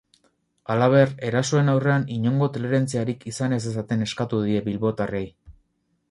Halaber, erasoen aurrean inongo tolerantziarik izan ez dezaten eskatu die bilbotarrei.